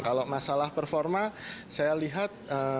kalau masalah performa saya lihat